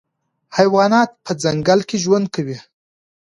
حیوانات په ځنګل کې ژوند کوي.